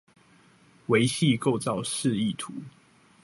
微細構造示意圖